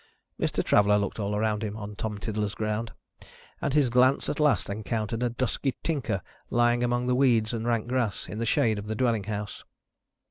Mr. Traveller looked all around him on Tom Tiddler's ground, and his glance at last encountered a dusky Tinker lying among the weeds and rank grass, in the shade of the dwelling house.